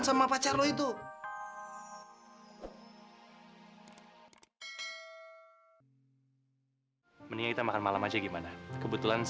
ya ampun makanannya banyak banget pak